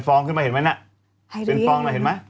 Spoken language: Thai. ฟองขึ้นมาเห็นไหม